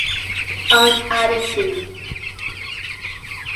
Own attitude